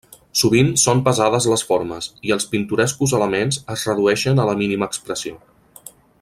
Sovint són pesades les formes, i els pintorescos elements es redueixen a la mínima expressió.